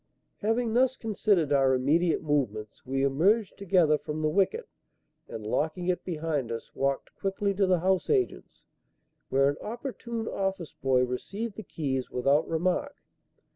Having thus considered our immediate movements, we emerged together from the wicket, and locking it behind us, walked quickly to the house agents', where an opportune office boy received the keys without remark.